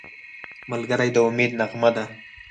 ملګری د امید نغمه ده